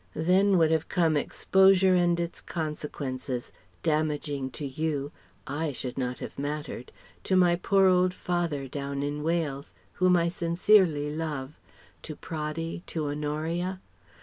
Then would have come exposure and its consequences damaging to You (I should not have mattered), to my poor old 'father' down in Wales whom I sincerely love to Praddy, to Honoria....